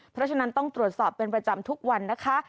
เพราะฉะนั้นต้องตรวจสอบเป็นประจำทุกวันนะคะ